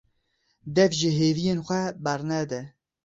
Dev ji hêviyên xwe bernede.